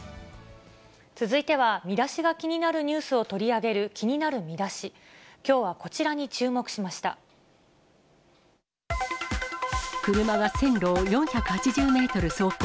続いてはミダシが気になるニュースを取り上げる、気になるミダシ、きょうはこちらに注目しま車が線路を４８０メートル走行。